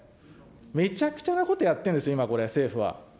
めちゃくちゃなことやってるんですよ、今、政府は。